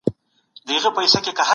د جرګې کورنۍ دندي څه ډول اصول لري؟